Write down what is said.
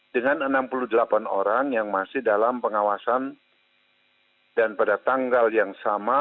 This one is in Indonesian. dengan enam puluh delapan orang yang masih dalam pengawasan dan pada tanggal yang sama